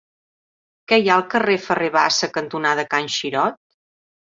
Què hi ha al carrer Ferrer Bassa cantonada Can Xirot?